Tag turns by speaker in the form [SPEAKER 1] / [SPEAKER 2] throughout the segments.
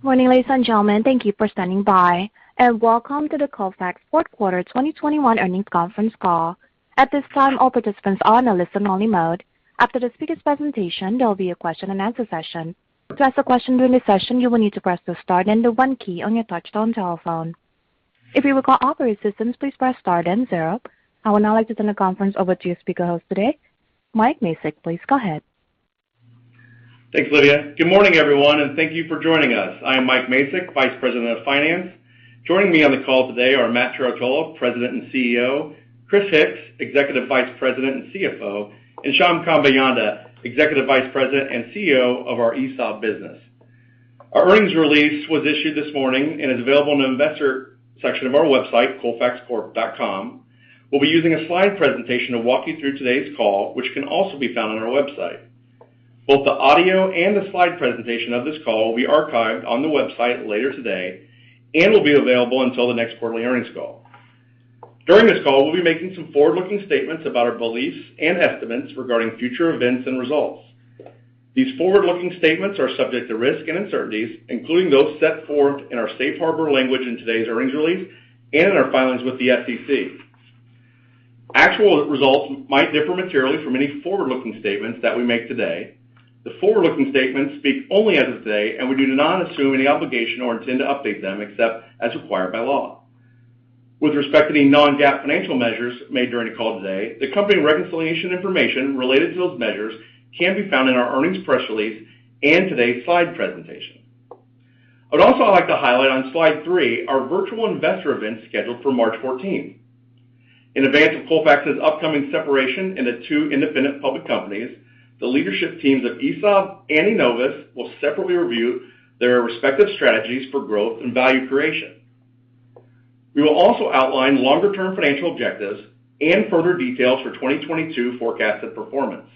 [SPEAKER 1] Morning, ladies and gentlemen. Thank you for standing by, and welcome to the Colfax fourth quarter 2021 earnings conference call. At this time, all participants are in a listen-only mode. After the speaker's presentation, there will be a question-and-answer session. To ask a question during this session, you will need to press the star then the one key on your touchtone telephone. If you require operator assistance, please press star then zero. I would now like to turn the conference over to your speaker host today, Mike Macek. Please go ahead.
[SPEAKER 2] Thanks, Lydia. Good morning, everyone, and thank you for joining us. I am Mike Macek, Vice President of Finance. Joining me on the call today are Matt Trerotola, President and CEO, Chris Hix, Executive Vice President and CFO, and Shyam Kambeyanda, Executive Vice President and CEO of our ESAB business. Our earnings release was issued this morning and is available in the investor section of our website, colfaxcorp.com. We'll be using a slide presentation to walk you through today's call, which can also be found on our website. Both the audio and the slide presentation of this call will be archived on the website later today and will be available until the next quarterly earnings call. During this call, we'll be making some forward-looking statements about our beliefs and estimates regarding future events and results. These forward-looking statements are subject to risks and uncertainties, including those set forth in our safe harbor language in today's earnings release and in our filings with the SEC. Actual results might differ materially from any forward-looking statements that we make today. The forward-looking statements speak only as of today, and we do not assume any obligation or intend to update them except as required by law. With respect to any non-GAAP financial measures made during the call today, the company's reconciliation information related to those measures can be found in our earnings press release and today's slide presentation. I would also like to highlight on slide three our virtual investor event scheduled for March 14th. In advance of Colfax's upcoming separation into two independent public companies, the leadership teams of ESAB and Enovis will separately review their respective strategies for growth and value creation. We will also outline longer term financial objectives and further details for 2022 forecasted performance.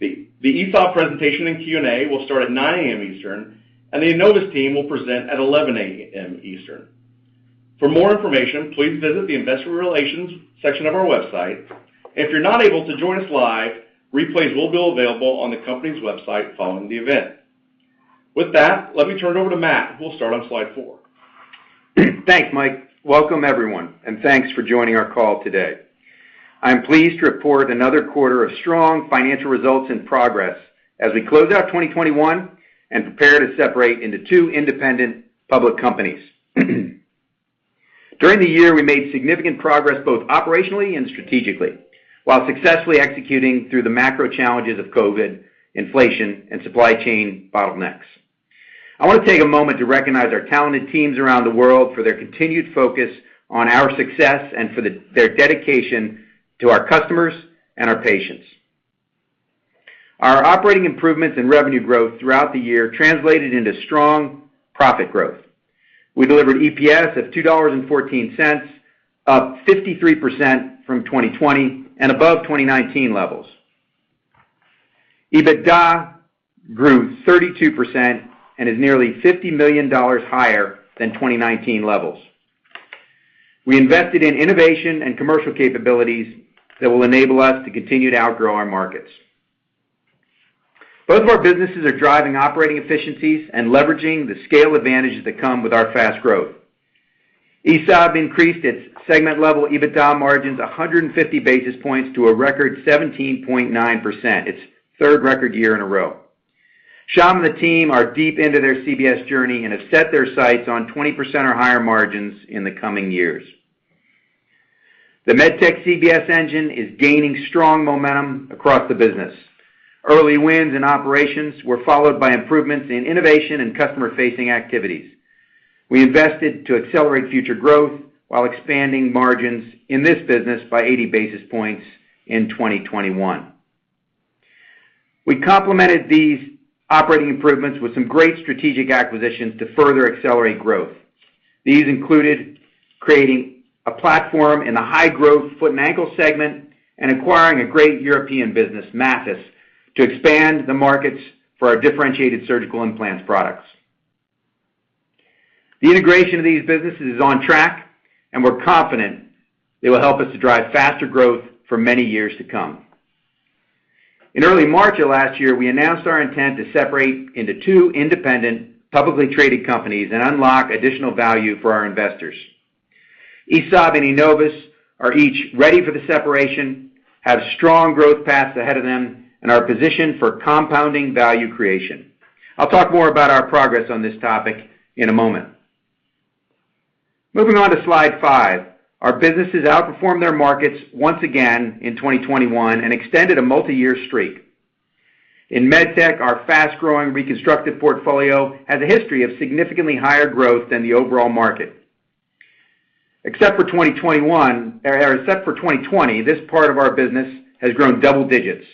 [SPEAKER 2] The ESAB presentation and Q&A will start at 9:00 A.M. Eastern, and the Enovis team will present at 11:00 A.M. Eastern. For more information, please visit the investor relations section of our website. If you're not able to join us live, replays will be available on the company's website following the event. With that, let me turn it over to Matt, who will start on slide four.
[SPEAKER 3] Thanks, Mike. Welcome, everyone, and thanks for joining our call today. I am pleased to report another quarter of strong financial results and progress as we close out 2021 and prepare to separate into two independent public companies. During the year, we made significant progress both operationally and strategically, while successfully executing through the macro challenges of COVID, inflation, and supply chain bottlenecks. I want to take a moment to recognize our talented teams around the world for their continued focus on our success and for their dedication to our customers and our patients. Our operating improvements in revenue growth throughout the year translated into strong profit growth. We delivered EPS of $2.14, up 53% from 2020 and above 2019 levels. EBITDA grew 32% and is nearly $50 million higher than 2019 levels. We invested in innovation and commercial capabilities that will enable us to continue to outgrow our markets. Both of our businesses are driving operating efficiencies and leveraging the scale advantages that come with our fast growth. ESAB increased its segment-level EBITDA margins 150 basis points to a record 17.9%, its third record year in a row. Shyam and the team are deep into their CBS journey and have set their sights on 20% or higher margins in the coming years. The MedTech CBS engine is gaining strong momentum across the business. Early wins in operations were followed by improvements in innovation and customer-facing activities. We invested to accelerate future growth while expanding margins in this business by 80 basis points in 2021. We complemented these operating improvements with some great strategic acquisitions to further accelerate growth. These included creating a platform in the high-growth foot and ankle segment and acquiring a great European business, Mathys, to expand the markets for our differentiated surgical implants products. The integration of these businesses is on track, and we're confident it will help us to drive faster growth for many years to come. In early March of last year, we announced our intent to separate into two independent publicly traded companies and unlock additional value for our investors. ESAB and Enovis are each ready for the separation, have strong growth paths ahead of them, and are positioned for compounding value creation. I'll talk more about our progress on this topic in a moment. Moving on to slide five. Our businesses outperformed their markets once again in 2021 and extended a multiyear streak. In MedTech, our fast-growing reconstructive portfolio has a history of significantly higher growth than the overall market. Except for 2020, this part of our business has grown double digits.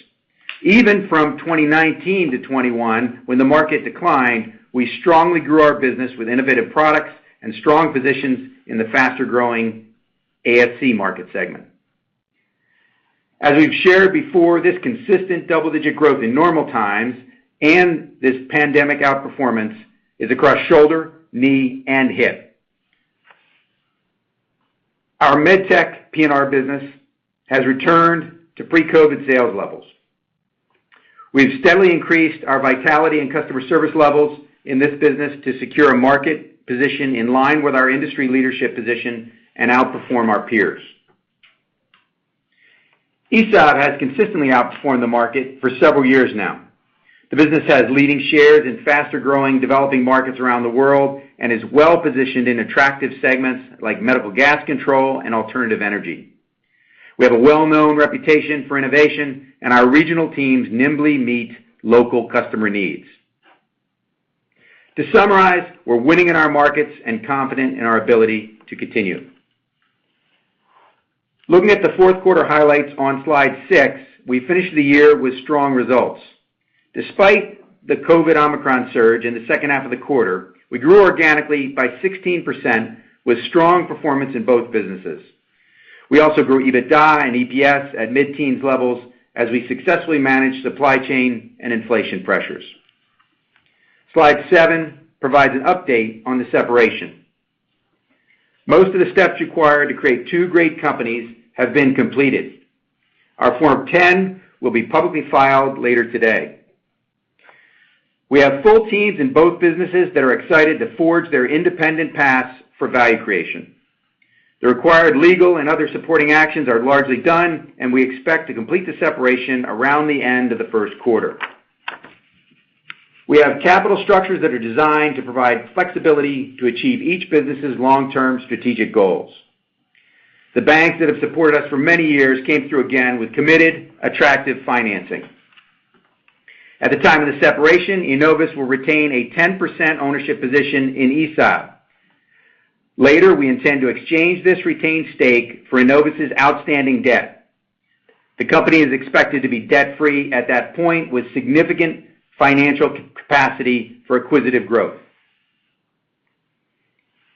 [SPEAKER 3] Even from 2019 to 2021, when the market declined, we strongly grew our business with innovative products and strong positions in the faster-growing ASC market segment. As we've shared before, this consistent double-digit growth in normal times and this pandemic outperformance is across shoulder, knee, and hip. Our MedTech P&R business has returned to pre-COVID sales levels. We've steadily increased our viability and customer service levels in this business to secure a market position in line with our industry leadership position and outperform our peers. ESAB has consistently outperformed the market for several years now. The business has leading shares in faster-growing developing markets around the world and is well-positioned in attractive segments like medical gas control and alternative energy. We have a well-known reputation for innovation, and our regional teams nimbly meet local customer needs. To summarize, we're winning in our markets and confident in our ability to continue. Looking at the fourth quarter highlights on slide six, we finished the year with strong results. Despite the COVID Omicron surge in the second half of the quarter, we grew organically by 16% with strong performance in both businesses. We also grew EBITDA and EPS at mid-teens levels as we successfully managed supply chain and inflation pressures. Slide seven provides an update on the separation. Most of the steps required to create two great companies have been completed. Our Form 10 will be publicly filed later today. We have full teams in both businesses that are excited to forge their independent paths for value creation. The required legal and other supporting actions are largely done, and we expect to complete the separation around the end of the first quarter. We have capital structures that are designed to provide flexibility to achieve each business's long-term strategic goals. The banks that have supported us for many years came through again with committed, attractive financing. At the time of the separation, Enovis will retain a 10% ownership position in ESAB. Later, we intend to exchange this retained stake for Enovis' outstanding debt. The company is expected to be debt-free at that point, with significant financial capacity for acquisitive growth.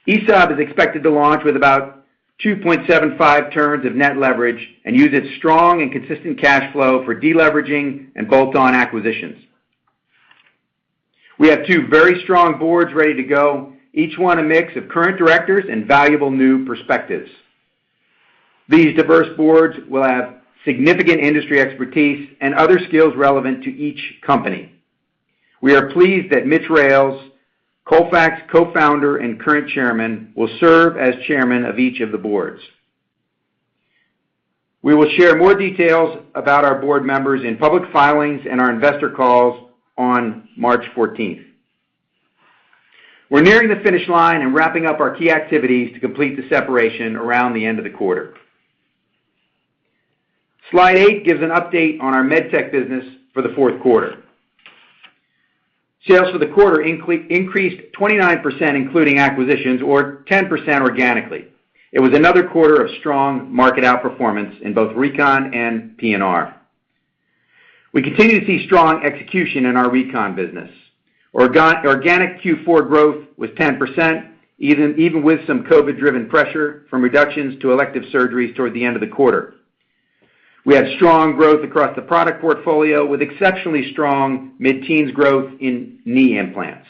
[SPEAKER 3] ESAB is expected to launch with about 2.75x of net leverage and use its strong and consistent cash flow for deleveraging and bolt-on acquisitions. We have two very strong boards ready to go, each one a mix of current directors and valuable new perspectives. These diverse boards will have significant industry expertise and other skills relevant to each company. We are pleased that Mitchell Rales, Colfax Co-founder and current Chairman, will serve as Chairman of each of the boards. We will share more details about our board members in public filings and our investor calls on March 14th. We're nearing the finish line and wrapping up our key activities to complete the separation around the end of the quarter. Slide eight gives an update on our MedTech business for the fourth quarter. Sales for the quarter increased 29%, including acquisitions, or 10% organically. It was another quarter of strong market outperformance in both Recon and P&R. We continue to see strong execution in our Recon business. Organic Q4 growth was 10%, even with some COVID-driven pressure from reductions to elective surgeries toward the end of the quarter. We have strong growth across the product portfolio with exceptionally strong mid-teens growth in knee implants.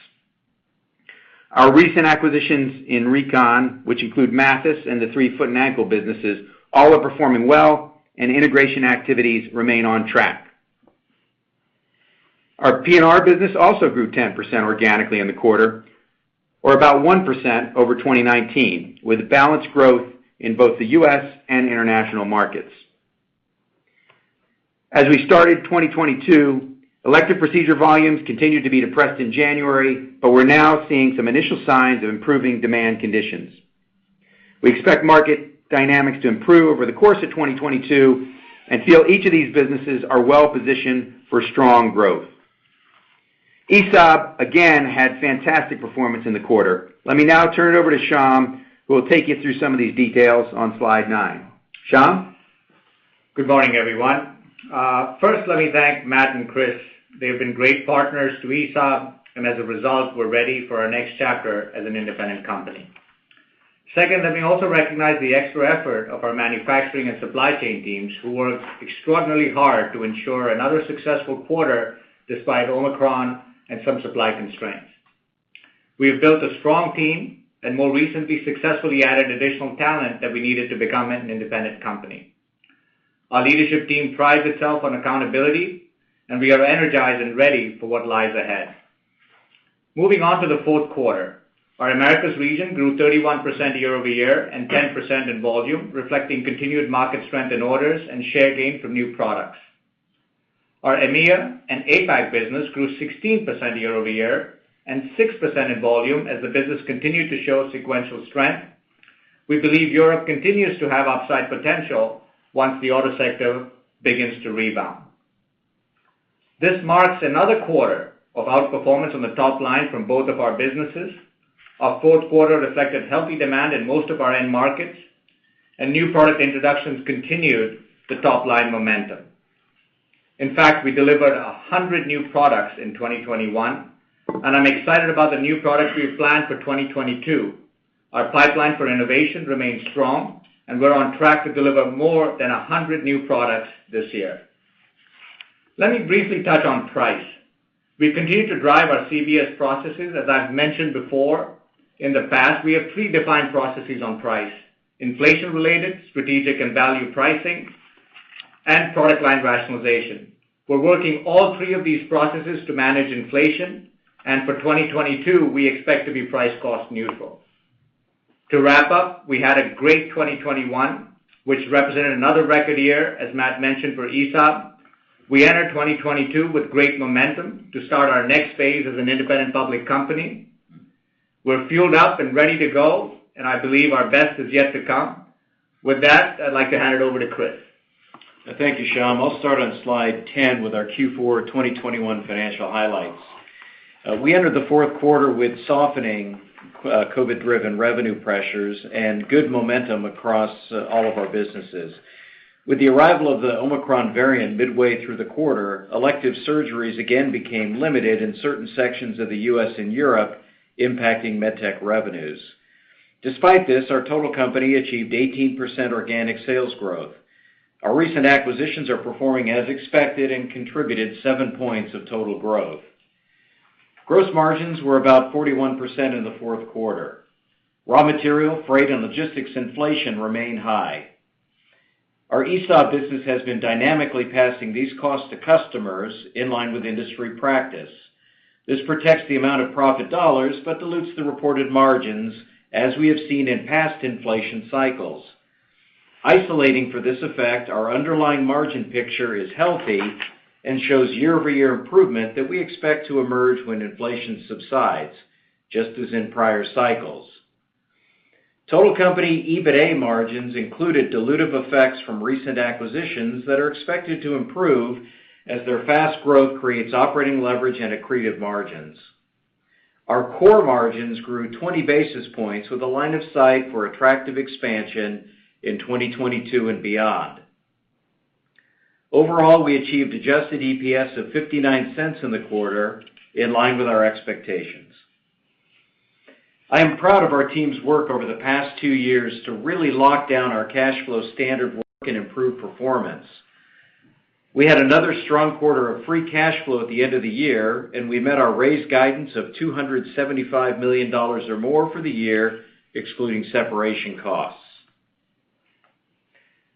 [SPEAKER 3] Our recent acquisitions in Recon, which include Mathys and the three foot and ankle businesses, all are performing well, and integration activities remain on track. Our P&R business also grew 10% organically in the quarter, or about 1% over 2019, with balanced growth in both the U.S. and international markets. As we started 2022, elective procedure volumes continued to be depressed in January, but we're now seeing some initial signs of improving demand conditions. We expect market dynamics to improve over the course of 2022 and feel each of these businesses are well-positioned for strong growth. ESAB, again, had fantastic performance in the quarter. Let me now turn it over to Shyam, who will take you through some of these details on slide nine. Shyam?
[SPEAKER 4] Good morning, everyone. First, let me thank Matt and Chris. They've been great partners to ESAB, and as a result, we're ready for our next chapter as an independent company. Second, let me also recognize the extra effort of our manufacturing and supply chain teams, who worked extraordinarily hard to ensure another successful quarter despite Omicron and some supply constraints. We have built a strong team and more recently successfully added additional talent that we needed to become an independent company. Our leadership team prides itself on accountability, and we are energized and ready for what lies ahead. Moving on to the fourth quarter. Our Americas region grew 31% year-over-year and 10% in volume, reflecting continued market strength in orders and share gain from new products. Our EMEIA and APAC business grew 16% year-over-year and 6% in volume as the business continued to show sequential strength. We believe Europe continues to have upside potential once the auto sector begins to rebound. This marks another quarter of outperformance on the top line from both of our businesses. Our fourth quarter reflected healthy demand in most of our end markets, and new product introductions continued the top-line momentum. In fact, we delivered 100 new products in 2021, and I'm excited about the new products we have planned for 2022. Our pipeline for innovation remains strong, and we're on track to deliver more than 100 new products this year. Let me briefly touch on price. We continue to drive our CBS processes. As I've mentioned before, in the past, we have three defined processes on price: inflation-related, strategic and value pricing, and product line rationalization. We're working all three of these processes to manage inflation, and for 2022, we expect to be price cost neutral. To wrap up, we had a great 2021, which represented another record year, as Matt mentioned, for ESAB. We enter 2022 with great momentum to start our next phase as an independent public company. We're fueled up and ready to go, and I believe our best is yet to come. With that, I'd like to hand it over to Chris.
[SPEAKER 5] Thank you, Shyam. I'll start on slide 10 with our Q4 2021 financial highlights. We entered the fourth quarter with softening COVID-driven revenue pressures and good momentum across all of our businesses. With the arrival of the Omicron variant midway through the quarter, elective surgeries again became limited in certain sections of the U.S. and Europe, impacting MedTech revenues. Despite this, our total company achieved 18% organic sales growth. Our recent acquisitions are performing as expected and contributed 7 points of total growth. Gross margins were about 41% in the fourth quarter. Raw material, freight, and logistics inflation remain high. Our ESAB business has been dynamically passing these costs to customers in line with industry practice. This protects the amount of profit dollars, but dilutes the reported margins as we have seen in past inflation cycles. Isolating for this effect, our underlying margin picture is healthy and shows year-over-year improvement that we expect to emerge when inflation subsides, just as in prior cycles. Total company EBITA margins included dilutive effects from recent acquisitions that are expected to improve as their fast growth creates operating leverage and accretive margins. Our core margins grew 20 basis points with a line of sight for attractive expansion in 2022 and beyond. Overall, we achieved adjusted EPS of $0.59 in the quarter in line with our expectations. I am proud of our team's work over the past two years to really lock down our cash flow standard work and improve performance. We had another strong quarter of free cash flow at the end of the year, and we met our raised guidance of $275 million or more for the year, excluding separation costs.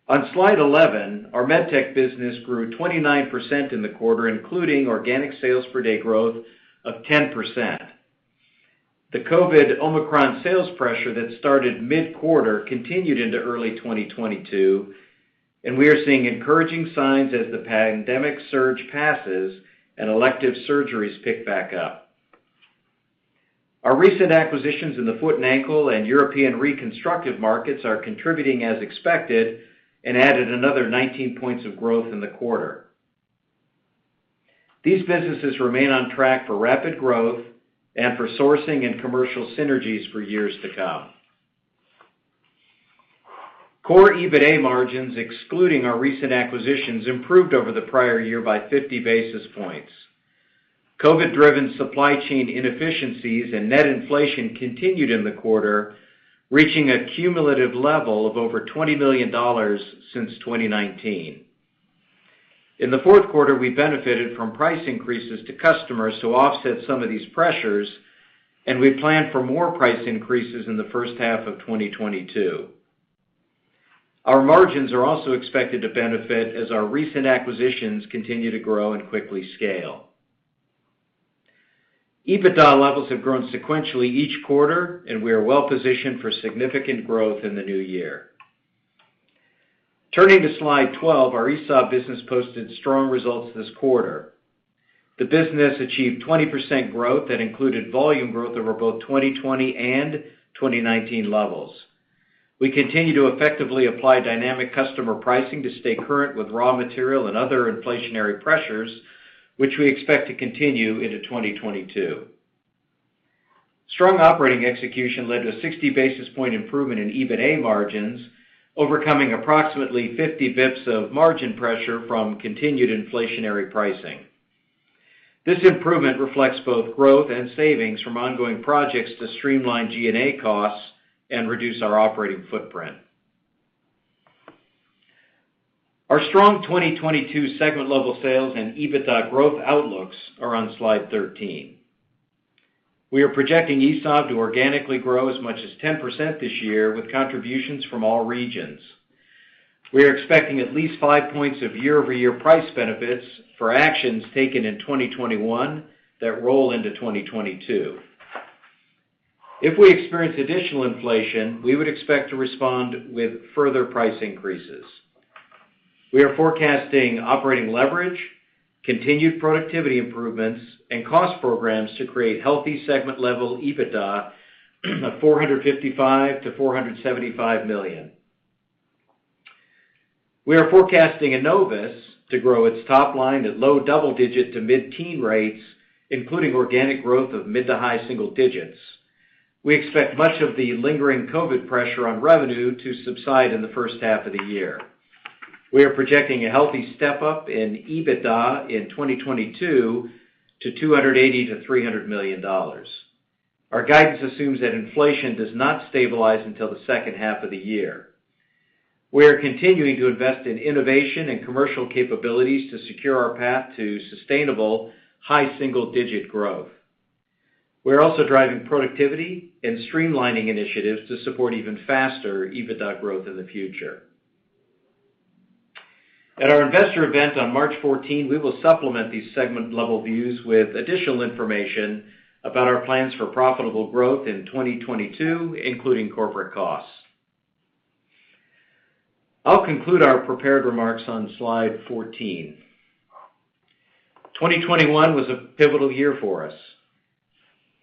[SPEAKER 5] On slide 11, our MedTech business grew 29% in the quarter, including organic sales per day growth of 10%. The COVID Omicron sales pressure that started mid-quarter continued into early 2022, and we are seeing encouraging signs as the pandemic surge passes and elective surgeries pick back up. Our recent acquisitions in the foot and ankle and European reconstructive markets are contributing as expected and added another 19 points of growth in the quarter. These businesses remain on track for rapid growth and for sourcing and commercial synergies for years to come. Core EBITA margins, excluding our recent acquisitions, improved over the prior year by 50 basis points. COVID-driven supply chain inefficiencies and net inflation continued in the quarter, reaching a cumulative level of over $20 million since 2019. In the fourth quarter, we benefited from price increases to customers to offset some of these pressures, and we plan for more price increases in the H1 of 2022. Our margins are also expected to benefit as our recent acquisitions continue to grow and quickly scale. EBITDA levels have grown sequentially each quarter, and we are well-positioned for significant growth in the new year. Turning to slide 12, our ESAB business posted strong results this quarter. The business achieved 20% growth that included volume growth over both 2020 and 2019 levels. We continue to effectively apply dynamic customer pricing to stay current with raw material and other inflationary pressures, which we expect to continue into 2022. Strong operating execution led to a 60 basis points improvement in EBITA margins, overcoming approximately 50 basis points of margin pressure from continued inflationary pricing. This improvement reflects both growth and savings from ongoing projects to streamline G&A costs and reduce our operating footprint. Our strong 2022 segment-level sales and EBITDA growth outlooks are on slide 13. We are projecting ESAB to organically grow as much as 10% this year with contributions from all regions. We are expecting at least 5 points of year-over-year price benefits for actions taken in 2021 that roll into 2022. If we experience additional inflation, we would expect to respond with further price increases. We are forecasting operating leverage, continued productivity improvements, and cost programs to create healthy segment-level EBITDA of $455 million-$475 million. We are forecasting Enovis to grow its top line at low double-digit to mid-teen rates, including organic growth of mid- to high-single digits. We expect much of the lingering COVID pressure on revenue to subside in the H1 of the year. We are projecting a healthy step-up in EBITDA in 2022 to $280 million-$300 million. Our guidance assumes that inflation does not stabilize until the H2 of the year. We are continuing to invest in innovation and commercial capabilities to secure our path to sustainable high single-digit growth. We're also driving productivity and streamlining initiatives to support even faster EBITDA growth in the future. At our investor event on March 14, we will supplement these segment level views with additional information about our plans for profitable growth in 2022, including corporate costs. I'll conclude our prepared remarks on slide 14. 2021 was a pivotal year for us.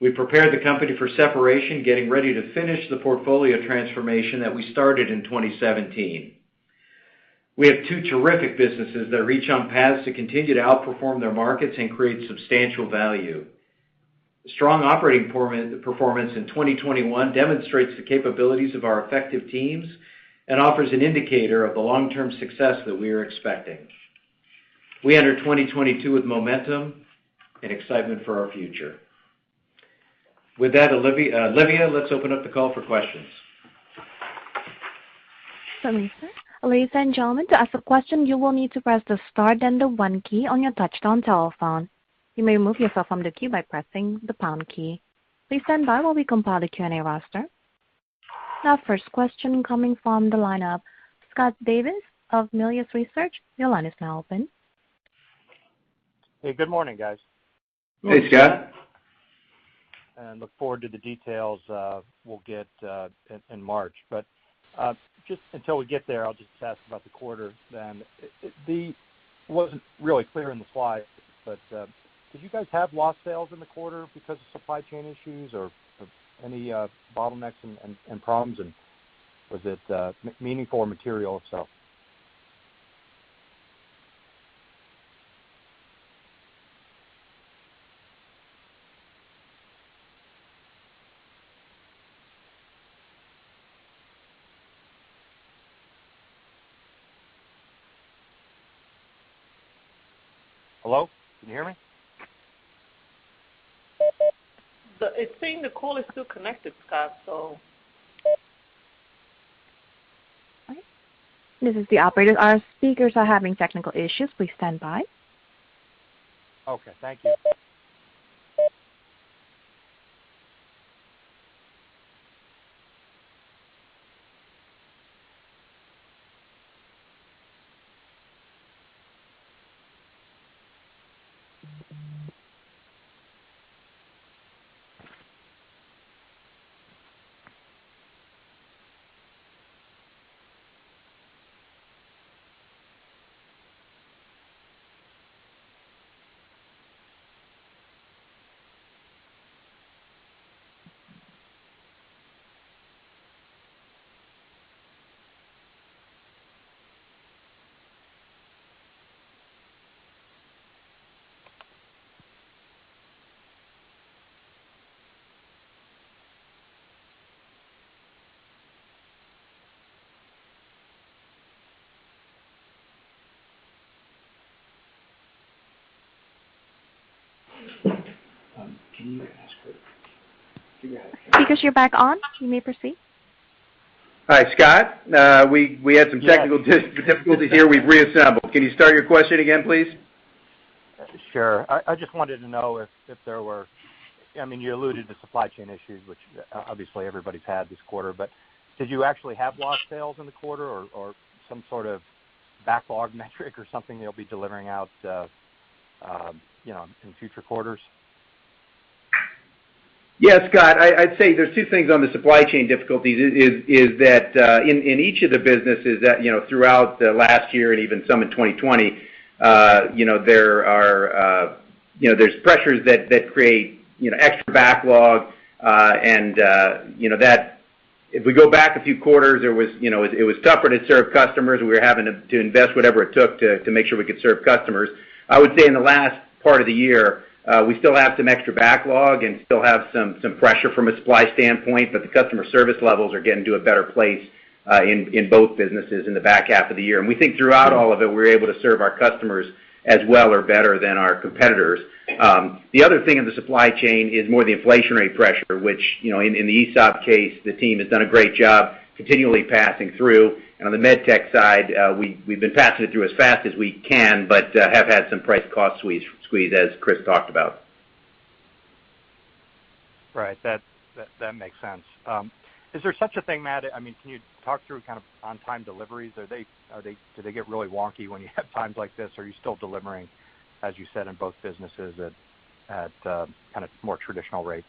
[SPEAKER 5] We prepared the company for separation, getting ready to finish the portfolio transformation that we started in 2017. We have two terrific businesses that are each on paths to continue to outperform their markets and create substantial value. The strong operating performance in 2021 demonstrates the capabilities of our effective teams and offers an indicator of the long-term success that we are expecting. We enter 2022 with momentum and excitement for our future. With that, Lydia, Lydia, let's open up the call for questions.
[SPEAKER 1] Lydia. Ladies and gentlemen, to ask a question, you will need to press the star then the one key on your touch-tone telephone. You may remove yourself from the queue by pressing the pound key. Please stand by while we compile the Q&A roster. Our first question coming from the lineup, Scott Davis of Melius Research. Your line is now open.
[SPEAKER 6] Hey, good morning, guys.
[SPEAKER 3] Hey, Scott.
[SPEAKER 6] Look forward to the details we'll get in March. Just until we get there, I'll just ask about the quarter then. It wasn't really clear in the slide, but did you guys have lost sales in the quarter because of supply chain issues or any bottlenecks and problems? Was it meaningful or material if so? Hello, can you hear me?
[SPEAKER 4] It's saying the call is still connected, Scott, so.
[SPEAKER 1] This is the operator. Our speakers are having technical issues. Please stand by.
[SPEAKER 6] Okay, thank you.
[SPEAKER 3] Can you ask her to get out of here?
[SPEAKER 1] Speaker, you're back on. You may proceed.
[SPEAKER 3] Hi, Scott. We had some technical difficulty here. We've reassembled. Can you start your question again, please?
[SPEAKER 6] Sure. I just wanted to know if there were, I mean, you alluded to supply chain issues, which obviously everybody's had this quarter, but did you actually have lost sales in the quarter or some sort of backlog metric or something you'll be delivering out, you know, in future quarters?
[SPEAKER 3] Yes, Scott. I'd say there's two things on the supply chain difficulties is that in each of the businesses that you know throughout the last year and even some in 2020 you know there are pressures that create you know extra backlog. You know that if we go back a few quarters there was you know it was tougher to serve customers. We were having to invest whatever it took to make sure we could serve customers. I would say in the last part of the year we still have some extra backlog and still have some pressure from a supply standpoint, but the customer service levels are getting to a better place in both businesses in the back half of the year. We think throughout all of it, we're able to serve our customers as well or better than our competitors. The other thing in the supply chain is more the inflationary pressure, which in the ESAB case, the team has done a great job continually passing through. On the MedTech side, we've been passing it through as fast as we can, but have had some price-cost squeeze, as Chris talked about.
[SPEAKER 6] Right. That makes sense. Is there such a thing, Matt? I mean, can you talk through kind of on-time deliveries? Do they get really wonky when you have times like this, or are you still delivering, as you said, in both businesses at kind of more traditional rates?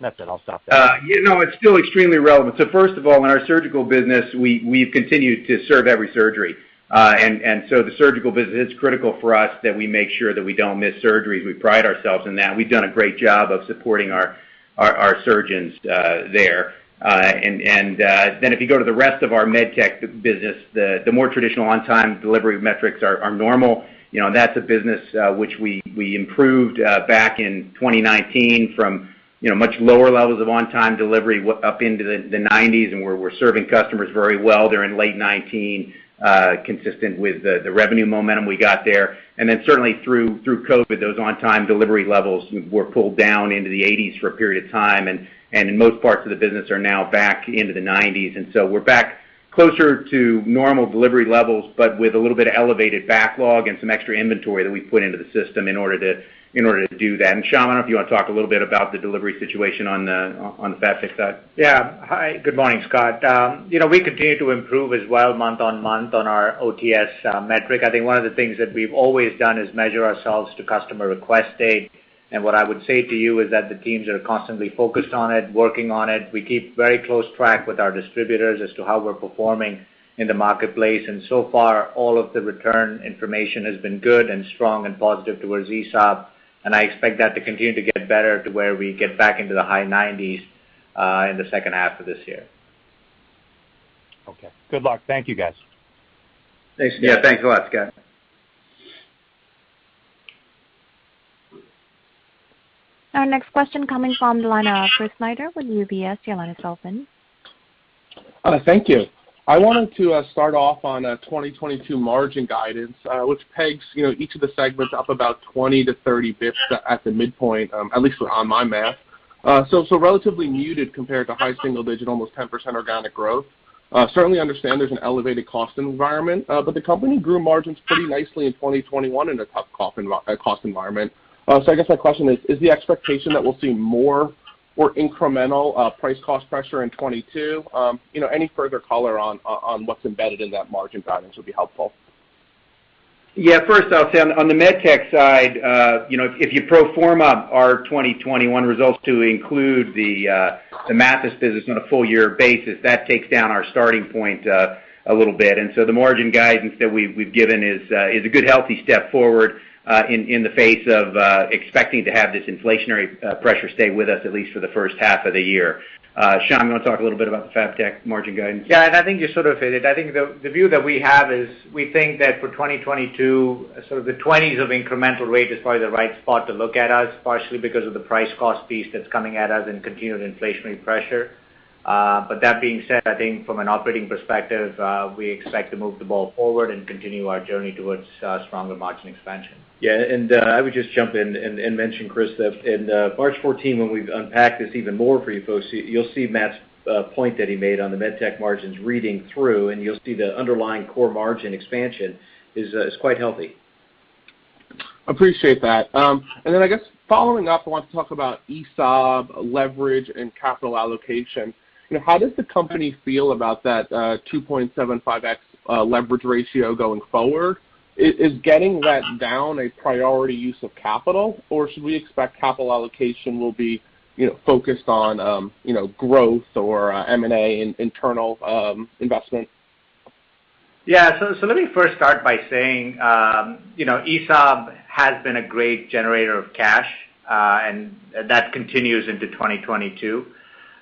[SPEAKER 6] That's it. I'll stop there.
[SPEAKER 3] You know, it's still extremely relevant. First of all, in our surgical business, we've continued to serve every surgery. Then if you go to the rest of our MedTech business, the more traditional on-time delivery metrics are normal. You know, that's a business which we improved back in 2019 from, you know, much lower levels of on-time delivery way up into the 90s%. We're serving customers very well during late 2019, consistent with the revenue momentum we got there. Certainly through COVID, those on-time delivery levels were pulled down into the 80s% for a period of time, and in most parts of the business are now back into the 90s%. We're back Closer to normal delivery levels, but with a little bit of elevated backlog and some extra inventory that we put into the system in order to do that. Shyam, I don't know if you want to talk a little bit about the delivery situation on the FabTech side.
[SPEAKER 4] Yeah. Hi. Good morning, Scott. You know, we continue to improve as well month-on-month on our OTS metric. I think one of the things that we've always done is measure ourselves to customer request date. What I would say to you is that the teams are constantly focused on it, working on it. We keep very close track with our distributors as to how we're performing in the marketplace, and so far, all of the return information has been good and strong and positive towards ESAB. I expect that to continue to get better to where we get back into the high 90s in the second half of this year.
[SPEAKER 6] Okay. Good luck. Thank you, guys.
[SPEAKER 4] Thanks.
[SPEAKER 3] Yeah, thanks a lot, Scott.
[SPEAKER 1] Our next question coming from the line of Chris Snyder with UBS. Your line is open.
[SPEAKER 7] Thank you. I wanted to start off on 2022 margin guidance, which pegs, you know, each of the segments up about 20-30 basis points at the midpoint, at least on my math. Relatively muted compared to high single-digit, almost 10% organic growth. Certainly understand there's an elevated cost environment, but the company grew margins pretty nicely in 2021 in a tough cost environment. I guess my question is the expectation that we'll see more or incremental price-cost pressure in 2022? You know, any further color on what's embedded in that margin guidance would be helpful.
[SPEAKER 3] First, I'll say on the MedTech side, you know, if you pro forma our 2021 results to include the Mathys business on a full year basis, that takes down our starting point a little bit. The margin guidance that we've given is a good healthy step forward in the face of expecting to have this inflationary pressure stay with us at least for the first half of the year. Shyam, you want to talk a little bit about the FabTech margin guidance?
[SPEAKER 4] Yeah. I think you sort of hit it. I think the view that we have is we think that for 2022, sort of the 20s% incremental rate is probably the right spot to look at us, partially because of the price cost piece that's coming at us and continued inflationary pressure. That being said, I think from an operating perspective, we expect to move the ball forward and continue our journey towards stronger margin expansion.
[SPEAKER 3] Yeah. I would just jump in and mention, Chris, that in March 14th when we've unpacked this even more for you folks, you'll see Matt's point that he made on the MedTech margins reading through, and you'll see the underlying core margin expansion is quite healthy.
[SPEAKER 7] Appreciate that. I guess following up, I want to talk about ESAB leverage and capital allocation. You know, how does the company feel about that 2.75x leverage ratio going forward? Is getting that down a priority use of capital, or should we expect capital allocation will be, you know, focused on, you know, growth or M&A internal investment?
[SPEAKER 4] Let me first start by saying, you know, ESAB has been a great generator of cash, and that continues into 2022.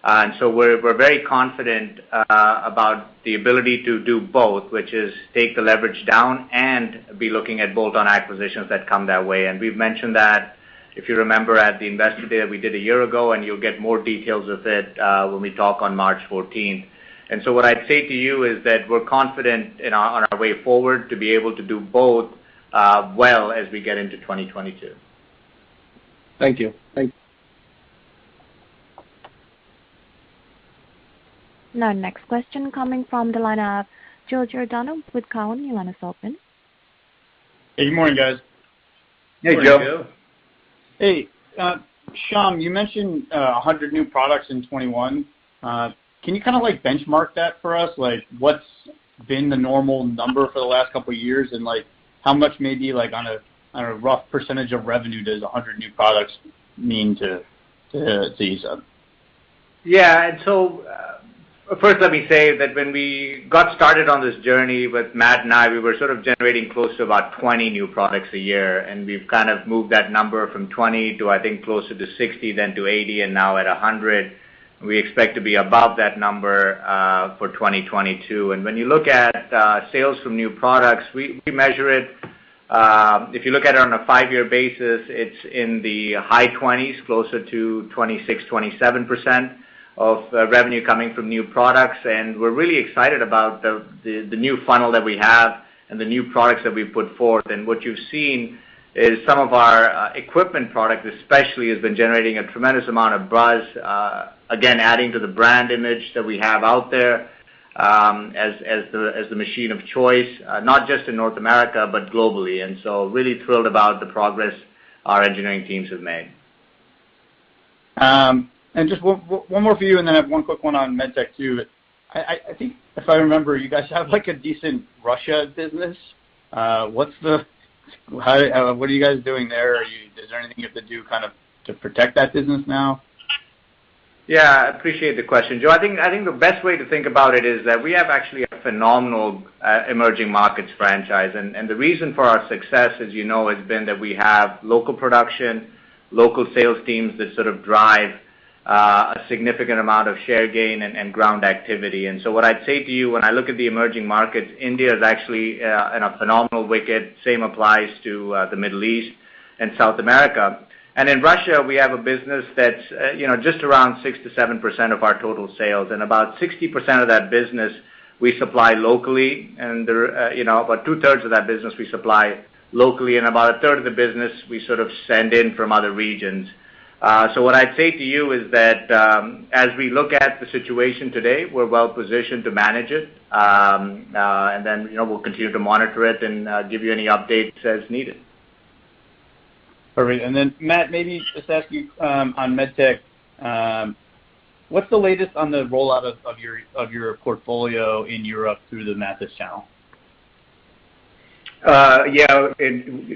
[SPEAKER 4] We're very confident about the ability to do both, which is take the leverage down and be looking at bolt-on acquisitions that come that way. We've mentioned that, if you remember, at the Investor Day that we did a year ago, and you'll get more details of it, when we talk on March 14th. What I'd say to you is that we're confident on our way forward to be able to do both, well as we get into 2022.
[SPEAKER 7] Thank you. Thanks.
[SPEAKER 1] Now, next question coming from the line of Joseph Giordano with Cowen. Your line is open.
[SPEAKER 8] Hey, good morning, guys.
[SPEAKER 3] Hey, Joseph.
[SPEAKER 4] Good morning, Joseph.
[SPEAKER 8] Hey, Shyam, you mentioned 100 new products in 2021. Can you kind of, like, benchmark that for us? Like, what's been the normal number for the last couple of years? Like, how much maybe, like, on a rough percentage of revenue does 100 new products mean to ESAB?
[SPEAKER 4] First let me say that when we got started on this journey with Matt and I, we were sort of generating close to about 20 new products a year, and we've kind of moved that number from 20 to, I think, closer to 60, then to 80, and now at 100. We expect to be above that number for 2022. When you look at sales from new products, we measure it if you look at it on a five-year basis; it's in the high 20s%, closer to 26%, 27% of revenue coming from new products. We're really excited about the new funnel that we have and the new products that we've put forth. What you've seen is some of our equipment products especially has been generating a tremendous amount of buzz, again, adding to the brand image that we have out there, as the machine of choice, not just in North America, but globally. Really thrilled about the progress our engineering teams have made.
[SPEAKER 8] Just one more for you, then I have one quick one on MedTech too. I think if I remember, you guys have, like, a decent Russia business. What are you guys doing there? Is there anything you have to do kind of to protect that business now?
[SPEAKER 4] Yeah, I appreciate the question, Joseph. I think the best way to think about it is that we have actually a phenomenal emerging markets franchise. The reason for our success, as you know, has been that we have local production, local sales teams that sort of drive a significant amount of share gain and ground activity. What I'd say to you when I look at the emerging markets, India is actually in a phenomenal wicket, same applies to the Middle East and South America. In Russia, we have a business that's you know, just around 6%-7% of our total sales. About 60% of that business we supply locally, about 2/3 of that business we supply locally and about 1/3 of the business we sort of send in from other regions. What I'd say to you is that, as we look at the situation today, we're well positioned to manage it. You know, we'll continue to monitor it and give you any updates as needed.
[SPEAKER 8] All right. Matt, maybe just ask you, on MedTech, what's the latest on the rollout of your portfolio in Europe through the Mathys Channel?
[SPEAKER 3] Yeah.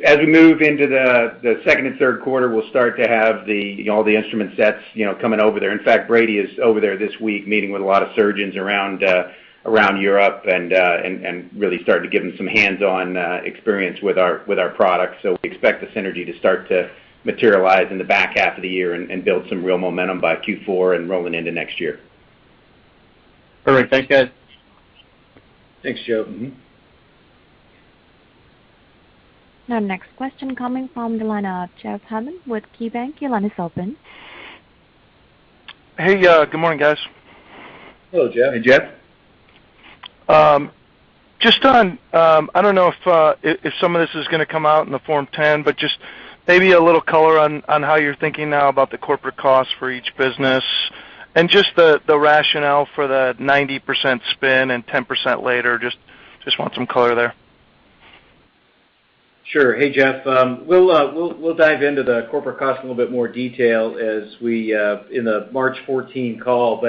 [SPEAKER 3] As we move into the second and third quarter, we'll start to have the, you know, the instrument sets, you know, coming over there. In fact, Brady is over there this week, meeting with a lot of surgeons around Europe, and really starting to give them some hands-on experience with our products. We expect the synergy to start to materialize in the back half of the year and build some real momentum by Q4 and rolling into next year.
[SPEAKER 8] All right. Thanks, guys.
[SPEAKER 5] Thanks, Joseph. Mm-hmm.
[SPEAKER 1] Now, next question coming from the line of Jeffrey Hammond with KeyBanc. Your line is open.
[SPEAKER 9] Hey, good morning, guys.
[SPEAKER 5] Hello, Jeffrey.
[SPEAKER 4] Hey, Jeffrey.
[SPEAKER 9] Just on, I don't know if some of this is gonna come out in the Form 10, but just maybe a little color on how you're thinking now about the corporate costs for each business and just the rationale for the 90% spin and 10% later. Just want some color there.
[SPEAKER 5] Sure. Hey, Jeffrey. We'll dive into the corporate costs a little bit more detail as we in the March 14 call.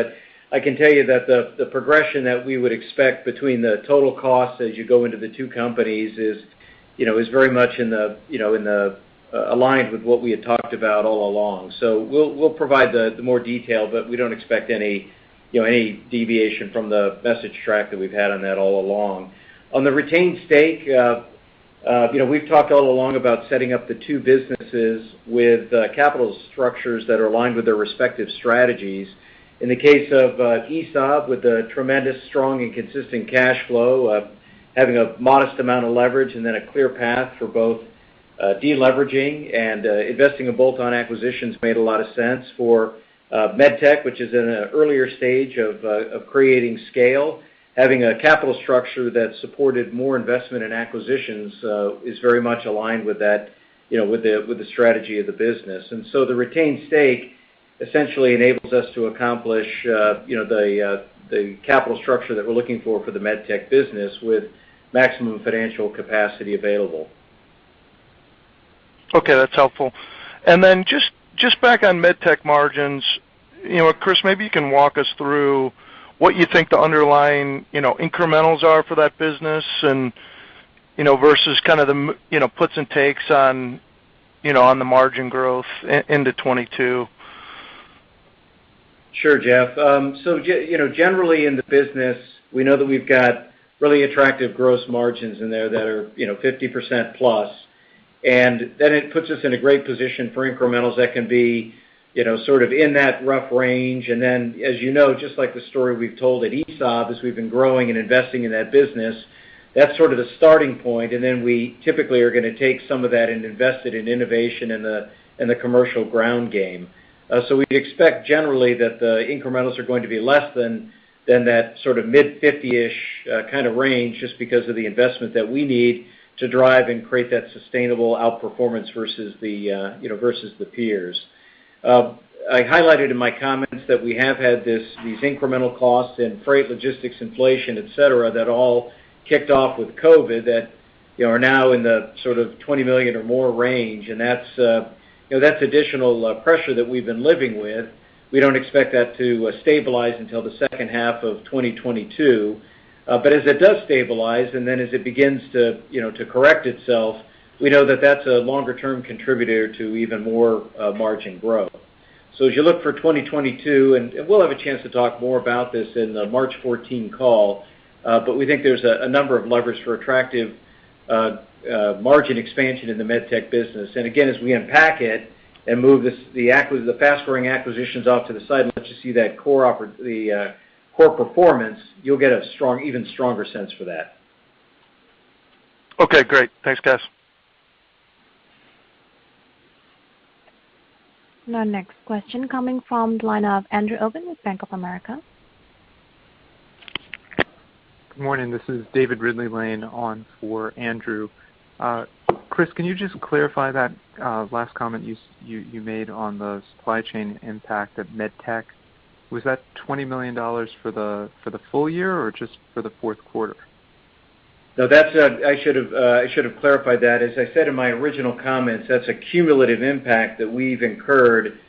[SPEAKER 5] I can tell you that the progression that we would expect between the total cost as you go into the two companies is, you know, very much in line with what we had talked about all along. We'll provide the more detail, but we don't expect any, you know, deviation from the message track that we've had on that all along. On the retained stake, you know, we've talked all along about setting up the two companies with capital structures that are aligned with their respective strategies. In the case of ESAB, with a tremendous, strong, and consistent cash flow, having a modest amount of leverage and then a clear path for both de-leveraging and investing in bolt-on acquisitions made a lot of sense. For MedTech, which is in an earlier stage of creating scale, having a capital structure that supported more investment in acquisitions is very much aligned with that, you know, with the strategy of the business. The retained stake essentially enables us to accomplish, you know, the capital structure that we're looking for the MedTech business with maximum financial capacity available.
[SPEAKER 9] Okay, that's helpful. Just back on MedTech margins, you know, Chris, maybe you can walk us through what you think the underlying, you know, incrementals are for that business and, you know, versus kind of the, you know, puts and takes on, you know, on the margin growth into 2022.
[SPEAKER 5] Sure, Jeffrey. You know, generally in the business, we know that we've got really attractive gross margins in there that are, you know, 50%+, and then it puts us in a great position for incrementals that can be, you know, sort of in that rough range. As you know, just like the story we've told at ESAB, as we've been growing and investing in that business, that's sort of the starting point, and then we typically are gonna take some of that and invest it in innovation in the commercial ground game. We expect generally that the incrementals are going to be less than that sort of mid-50-ish kind of range just because of the investment that we need to drive and create that sustainable outperformance versus the peers. I highlighted in my comments that we have had these incremental costs in freight, logistics, inflation, et cetera, that all kicked off with COVID that, you know, are now in the sort of $20 million or more range, and that's, you know, additional pressure that we've been living with. We don't expect that to stabilize until the second half of 2022. But as it does stabilize, and then as it begins to, you know, to correct itself, we know that that's a longer term contributor to even more margin growth. As you look for 2022, and we'll have a chance to talk more about this in the March 14 call, but we think there's a number of levers for attractive margin expansion in the MedTech business. Again, as we unpack it and move this, the fast-growing acquisitions off to the side and let you see that core performance, you'll get a strong, even stronger sense for that.
[SPEAKER 9] Okay, great. Thanks, guys.
[SPEAKER 1] Now, next question coming from the line of Andrew Obin with Bank of America.
[SPEAKER 10] Good morning. This is David Ridley-Lane on for Andrew Obin. Chris, can you just clarify that last comment you made on the supply chain impact at MedTech? Was that $20 million for the full year or just for the fourth quarter?
[SPEAKER 5] No. I should've clarified that. As I said in my original comments, that's a cumulative impact that we've incurred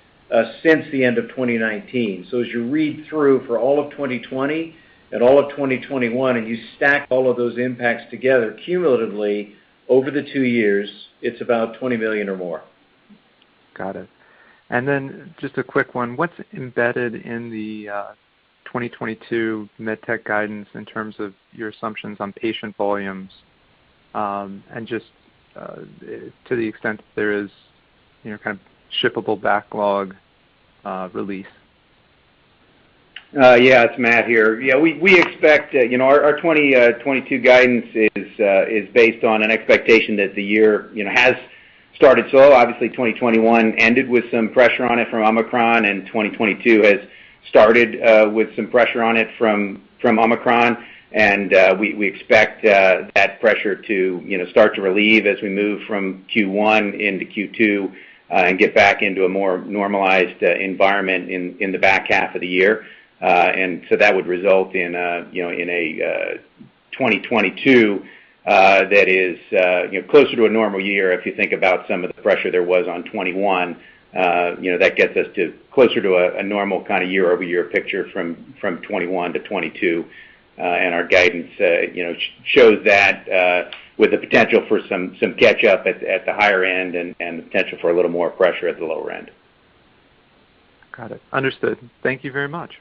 [SPEAKER 5] since the end of 2019. As you read through for all of 2020 and all of 2021 and you stack all of those impacts together cumulatively over the two years, it's about $20 million or more.
[SPEAKER 10] Got it. Just a quick one. What's embedded in the 2022 MedTech guidance in terms of your assumptions on patient volumes, and just to the extent there is, you know, kind of shippable backlog, release?
[SPEAKER 3] It's Matt here. We expect, you know, our 2022 guidance is based on an expectation that the year, you know, has started slow. Obviously, 2021 ended with some pressure on it from Omicron, and 2022 has- It started with some pressure on it from Omicron. We expect that pressure to, you know, start to relieve as we move from Q1 into Q2 and get back into a more normalized environment in the back half of the year. That would result in a 2022 that is closer to a normal year if you think about some of the pressure there was on 2021. That gets us to closer to a normal kind of year-over-year picture from 2021 to 2022. Our guidance shows that with the potential for some catch up at the higher end and the potential for a little more pressure at the lower end.
[SPEAKER 10] Got it. Understood. Thank you very much.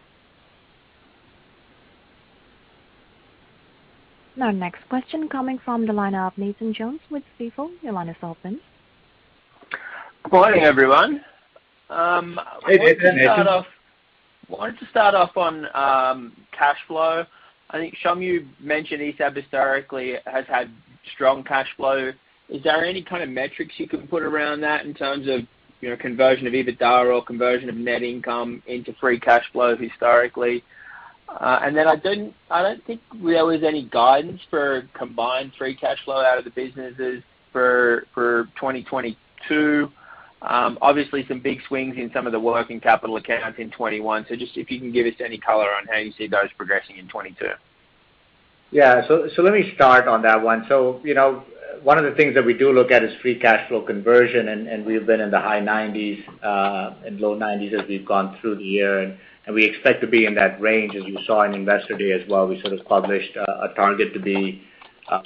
[SPEAKER 1] Our next question coming from the line of Nathan Jones with Stifel. Your line is open.
[SPEAKER 11] Good morning, everyone.
[SPEAKER 3] Hey, Nathan.
[SPEAKER 11] I wanted to start off on cash flow. I think, Shyam, you mentioned ESAB historically has had strong cash flow. Is there any kind of metrics you can put around that in terms of, you know, conversion of EBITDA or conversion of net income into free cash flows historically? And then I don't think there was any guidance for combined free cash flow out of the businesses for 2022. Obviously some big swings in some of the working capital accounts in 2021. Just if you can give us any color on how you see those progressing in 2022.
[SPEAKER 3] Yeah. Let me start on that one. You know, one of the things that we do look at is free cash flow conversion, and we've been in the high 90s% and low 90s% as we've gone through the year. We expect to be in that range, as you saw in Investor Day as well. We sort of published a target to be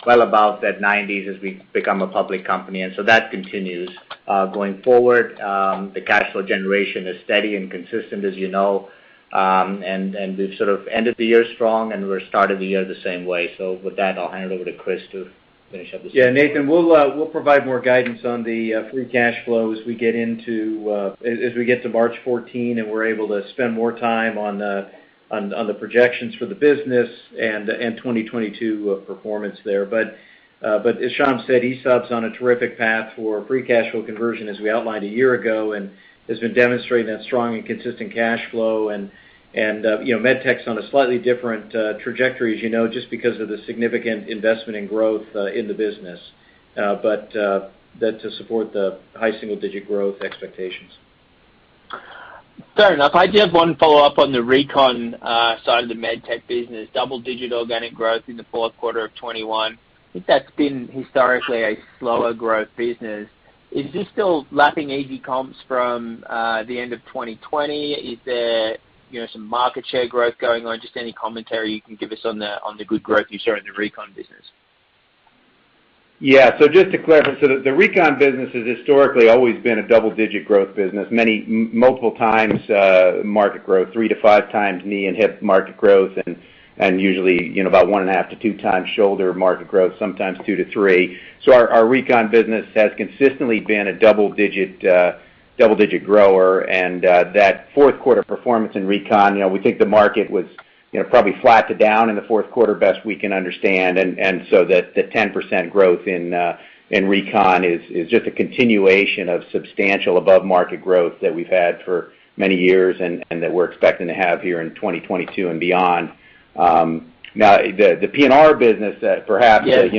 [SPEAKER 3] well above the 90s% as we become a public company. That continues. Going forward, the cash flow generation is steady and consistent, as you know. And we've sort of ended the year strong, and we're starting the year the same way. With that, I'll hand it over to Chris to finish up this.
[SPEAKER 5] Yeah, Nathan, we'll provide more guidance on the free cash flow as we get to March 14 and we're able to spend more time on the projections for the business and 2022 performance there. As Shyam said, ESAB's on a terrific path for free cash flow conversion, as we outlined a year ago, and has been demonstrating that strong and consistent cash flow. You know, MedTech's on a slightly different trajectory, as you know, just because of the significant investment in growth in the business to support the high single-digit growth expectations.
[SPEAKER 11] Fair enough. I do have one follow-up on the Recon side of the MedTech business. Double-digit organic growth in the fourth quarter of 2021. I think that's been historically a slower growth business. Is this still lapping easy comps from the end of 2020? Is there, you know, some market share growth going on? Just any commentary you can give us on the good growth you've shown in the Recon business.
[SPEAKER 3] Just to clarify, the Recon business has historically always been a double-digit growth business, many multiple times market growth, 3x-5x knee and hip market growth and usually, you know, about 1.5x-2x shoulder market growth, sometimes 2x-3x. Our Recon business has consistently been a double-digit grower. That fourth quarter performance in Recon, you know, we think the market was, you know, probably flat to down in the fourth quarter best we can understand. So the 10% growth in Recon is just a continuation of substantial above market growth that we've had for many years and that we're expecting to have here in 2022 and beyond. Now, the P&R business, perhaps-
[SPEAKER 11] Yeah.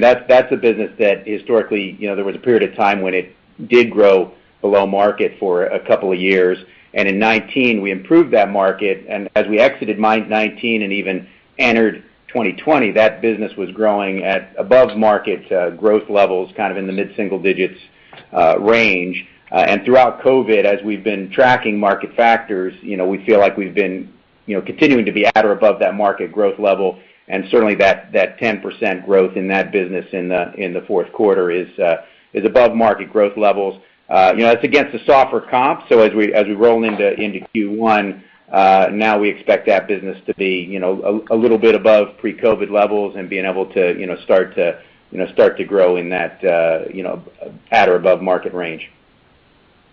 [SPEAKER 3] That's a business that historically, you know, there was a period of time when it did grow below market for a couple of years. In 2019, we improved that market. As we exited 2019 and even entered 2020, that business was growing at above market growth levels, kind of in the mid-single digits range. Throughout COVID, as we've been tracking market factors, you know, we feel like we've been, you know, continuing to be at or above that market growth level. Certainly that 10% growth in that business in the fourth quarter is above market growth levels. You know, that's against the softer comps. As we roll into Q1, now we expect that business to be, you know, a little bit above pre-COVID levels and being able to, you know, start to grow in that, you know, at or above market range.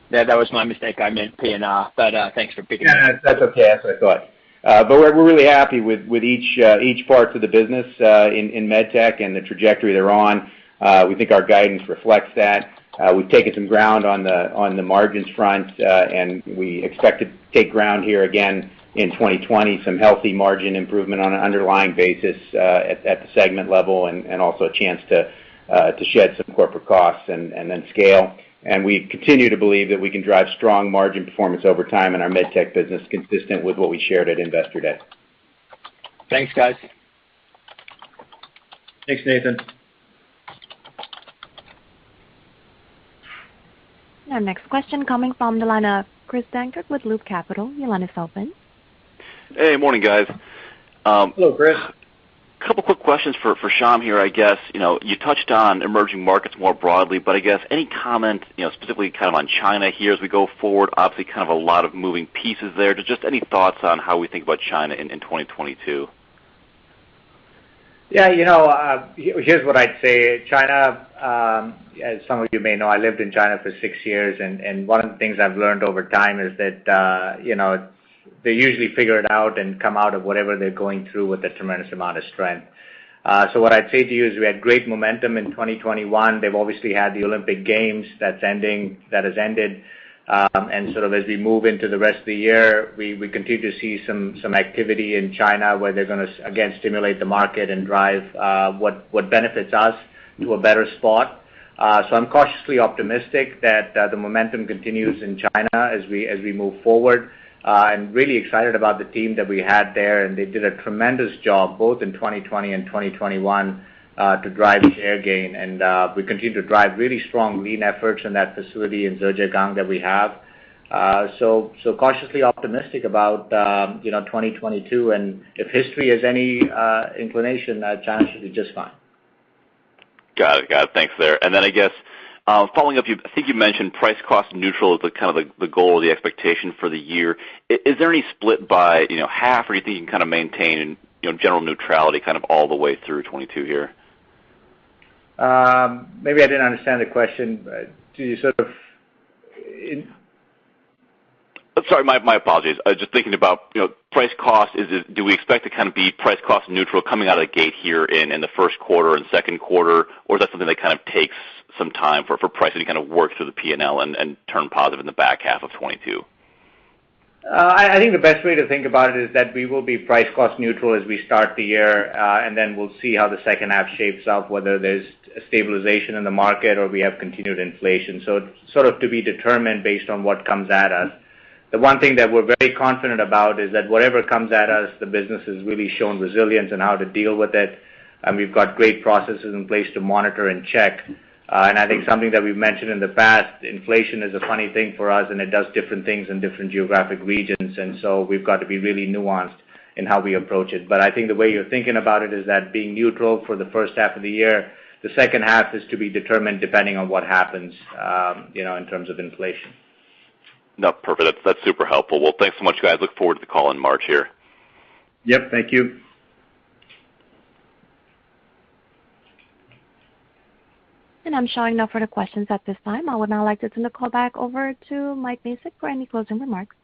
[SPEAKER 11] Yeah, that was my mistake. I meant P&R. Thanks for picking it up.
[SPEAKER 3] No, no, that's okay. That's what I thought. But we're really happy with each parts of the business in MedTech and the trajectory they're on. We think our guidance reflects that. We've taken some ground on the margins front, and we expect to take ground here again in 2020, some healthy margin improvement on an underlying basis at the segment level and also a chance to shed some corporate costs and then scale. We continue to believe that we can drive strong margin performance over time in our MedTech business consistent with what we shared at Investor Day.
[SPEAKER 11] Thanks, guys.
[SPEAKER 3] Thanks, Nathan.
[SPEAKER 1] Our next question coming from the line of Christopher Dankert with Loop Capital. Your line is open.
[SPEAKER 12] Hey, morning guys.
[SPEAKER 3] Hello, Christopher.
[SPEAKER 12] Couple quick questions for Shyam here, I guess. You know, you touched on emerging markets more broadly, but I guess any comment, you know, specifically kind of on China here as we go forward? Obviously, kind of a lot of moving pieces there. Just any thoughts on how we think about China in 2022?
[SPEAKER 4] Yeah, you know, here's what I'd say. China, as some of you may know, I lived in China for six years, and one of the things I've learned over time is that, you know, they usually figure it out and come out of whatever they're going through with a tremendous amount of strength. What I'd say to you is we had great momentum in 2021. They've obviously had the Olympic Games that has ended. Sort of as we move into the rest of the year, we continue to see some activity in China where they're gonna again stimulate the market and drive what benefits us to a better spot. I'm cautiously optimistic that the momentum continues in China as we move forward. I'm really excited about the team that we had there, and they did a tremendous job, both in 2020 and 2021, to drive share gain. We continue to drive really strong lean efforts in that facility in Zhangjiagang that we have. Cautiously optimistic about, you know, 2022, and if history is any inclination, China should do just fine.
[SPEAKER 12] Got it. Thanks, Shyam. I guess, following up, you—I think you mentioned price cost neutral is the kind of the goal or the expectation for the year. Is there any split by, you know, half or you think you can kind of maintain, you know, general neutrality kind of all the way through 2022 here?
[SPEAKER 4] Maybe I didn't understand the question. Do you sort of in...
[SPEAKER 12] Sorry, my apologies. I was just thinking about, you know, price cost. Do we expect to kind of be price cost neutral coming out of the gate here in the first quarter and second quarter, or is that something that kind of takes some time for pricing to kind of work through the P&L and turn positive in the back half of 2022?
[SPEAKER 4] I think the best way to think about it is that we will be price cost neutral as we start the year, and then we'll see how the second half shapes up, whether there's a stabilization in the market or we have continued inflation. Sort of to be determined based on what comes at us. The one thing that we're very confident about is that whatever comes at us, the business has really shown resilience on how to deal with it, and we've got great processes in place to monitor and check. I think something that we've mentioned in the past, inflation is a funny thing for us, and it does different things in different geographic regions. We've got to be really nuanced in how we approach it. I think the way you're thinking about it is that being neutral for the first half of the year, the second half is to be determined depending on what happens, you know, in terms of inflation.
[SPEAKER 12] No, perfect. That's super helpful. Well, thanks so much, guys. I look forward to the call in March here.
[SPEAKER 4] Yep, thank you.
[SPEAKER 1] I'm showing no further questions at this time. I would now like to turn the call back over to Mike Macek for any closing remarks.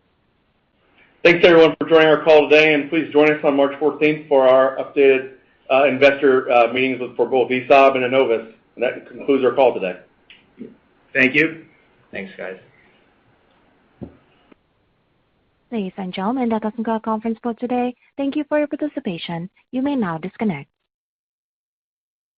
[SPEAKER 2] Thanks, everyone, for joining our call today, and please join us on March 14th for our updated investor meetings for both ESAB and Enovis. That concludes our call today.
[SPEAKER 4] Thank you.
[SPEAKER 5] Thanks, guys.
[SPEAKER 1] Ladies and gentlemen, that does end our conference call today. Thank you for your participation. You may now disconnect.